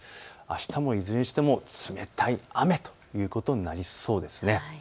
あしたもいずれにしても冷たい雨ということになりそうですね。